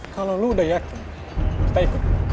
kalau lo udah yakin kita ikut